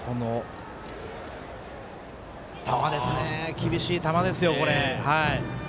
厳しい球ですよ。